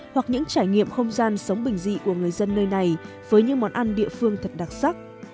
hoặc những trải nghiệm không gian sống bình dị của người dân nơi này với những món ăn địa phương thật đặc sắc